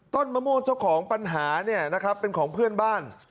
มะม่วงเจ้าของปัญหาเนี่ยนะครับเป็นของเพื่อนบ้าน